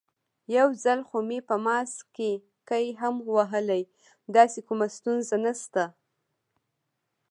یو ځل خو مې په ماسک کې قی هم وهلی، داسې کومه ستونزه نشته.